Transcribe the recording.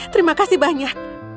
terima kasih banyak